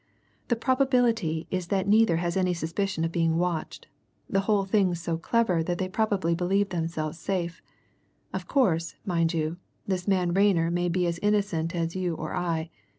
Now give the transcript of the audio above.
"The probability is that neither has any suspicion of being watched the whole thing's so clever that they probably believe themselves safe. Of course, mind you, this man Rayner may be as innocent as you or I.